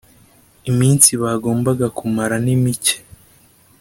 iminsi bagombaga kumara nimike.